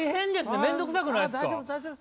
面倒くさくないですか。